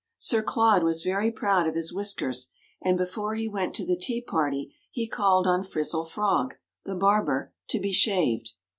Sir Claude was very proud of his whiskers, and before he went to the tea party, he called on Frizzle Frog, the barber, to be shaved.